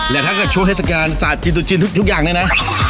และถ้าเกิดโชว์เหตุการณ์ศาสตร์จินตุจินทุกอย่างด้วยนะ